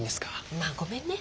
まあごめんね。